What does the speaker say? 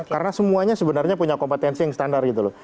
karena semuanya sebenarnya punya kompetensi yang standar gitu loh